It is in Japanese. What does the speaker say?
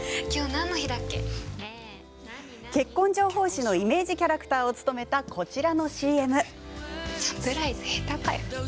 結婚情報誌のイメージキャラクターを務めたこちらのＣＭ。